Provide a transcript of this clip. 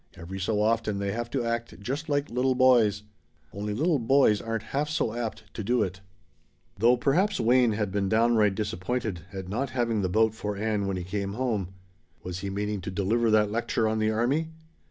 "Every so often they have to act just like little boys. Only little boys aren't half so apt to do it." Though perhaps Wayne had been downright disappointed at not having the boat for Ann when he came home. Was he meaning to deliver that lecture on the army?